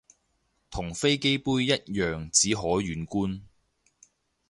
同飛機杯一樣只可遠觀